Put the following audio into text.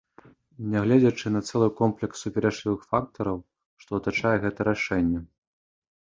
Нягледзячы на цэлы комплекс супярэчлівых фактараў, што атачае гэта рашэнне.